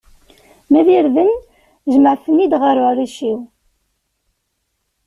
Ma d irden, jemɛet-ten-id ɣer uɛric-iw.